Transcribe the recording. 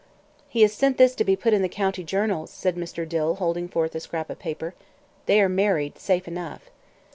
"He has sent this to be put in the county journals," said Mr. Dill, holding forth a scrap of paper. "They are married, safe enough."